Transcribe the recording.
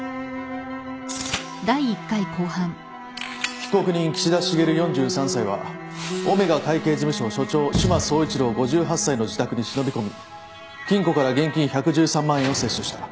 被告人岸田茂４３歳はオメガ会計事務所所長志摩総一郎５８歳の自宅に忍び込み金庫から現金１１３万円を窃取した。